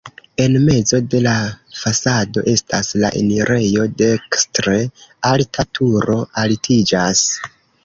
En mezo de la fasado estas la enirejo, dekstre alta turo altiĝas.